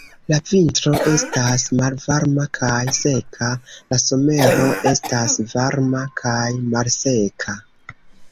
La vintro estas malvarma kaj seka, la somero estas varma kaj malseka.